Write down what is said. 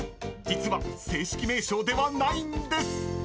［実は正式名称ではないんです］